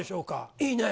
いいね。